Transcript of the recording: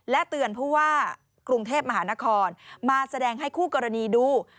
เตือนผู้ว่ากรุงเทพมหานครมาแสดงให้คู่กรณีดู